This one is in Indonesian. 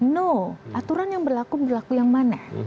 no aturan yang berlaku berlaku yang mana